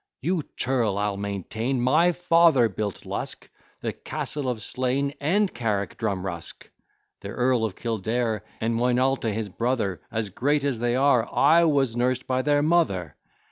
You churl, I'll maintain My father built Lusk, The castle of Slane, And Carrick Drumrusk: The Earl of Kildare, And Moynalta his brother, As great as they are, I was nurst by their mother.